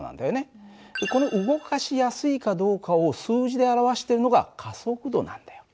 この動かしやすいかどうかを数字で表してるのが加速度なんだよ。